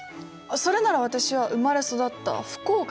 それなら私は生まれ育った福岡ですかね。